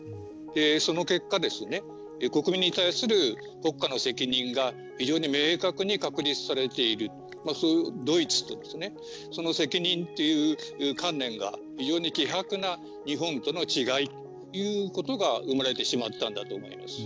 その結果、国民に対する国家の責任が非常に明確に確立されているドイツとその責任という観念が非常に希薄な日本との違いということがうまれてしまったんだと思います。